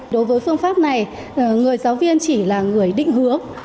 đối với phương pháp này người giáo viên chỉ là người định hướng